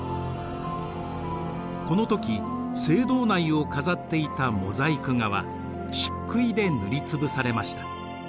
この時聖堂内を飾っていたモザイク画はしっくいで塗りつぶされました。